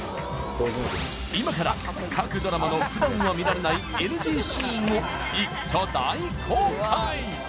今から各ドラマのふだんは見られないＮＧシーンを一挙大公開！